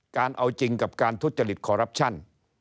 เอาจริงกับการทุจริตคอรัปชั่น